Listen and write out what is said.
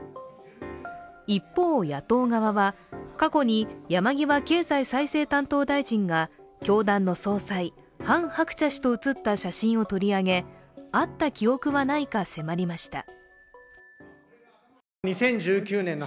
一方、野党側は過去に山際経済再生担当大臣が教団の総裁、ハン・ハクチャ氏と写った写真を取り上げ会った記憶はないか迫りました。